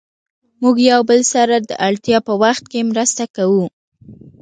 موږ يو له بل سره د اړتیا په وخت کې مرسته کوو.